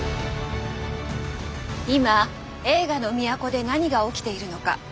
今映画の都で何が起きているのか。